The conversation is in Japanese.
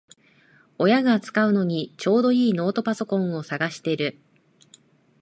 親が使うのにちょうどいいノートパソコンを探してる